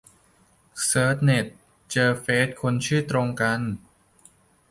เสิร์ชเน็ต เจอเฟซคนชื่อตรงกัน